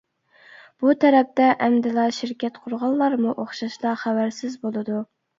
بۇ تەرەپتە ئەمدىلا شىركەت قۇرغانلارمۇ ئوخشاشلا خەۋەرسىز بولىدۇ.